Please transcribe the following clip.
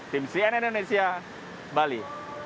tim cn indonesia bali